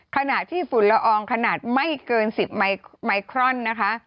ขณะที่ฝุ่นละอองขนาดไม่เกิน๑๐ไมครอนนะคะ